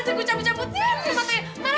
ya ampun ya mbak